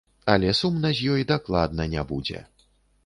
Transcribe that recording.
Але сумна з ёй дакладна не будзе!